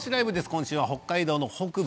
今週は北海道の北部